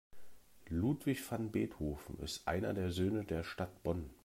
Ludwig van Beethoven ist einer der Söhne der Stadt Bonn.